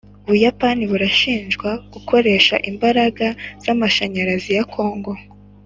Ubuyapani burashinjwa gukoresha imbaraga zamashanyarazi ya congo